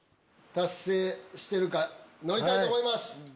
達成してるか乗りたいと思います！